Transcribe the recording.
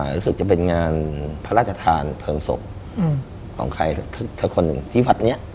รู้สึกจะเป็นงานพระราชทานเพลิงศพของใครสักคนหนึ่งที่วัดนี้